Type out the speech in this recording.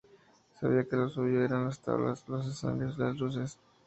Sabía que lo suyo eran las tablas, los escenarios y las luces.